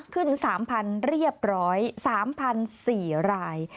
ขึ้น๓๐๐เรียบร้อย๓๔ราย